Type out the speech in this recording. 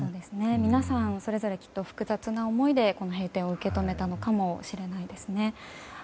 皆さんそれぞれ複雑な思いでこの閉店を受け止めたのかもしれないですね。